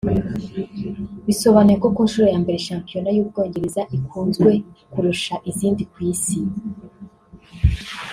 Bisobanuye ko ku nshuro ya mbere shampiyona y’u Bwongereza ikunzwe kurusha izindi ku Isi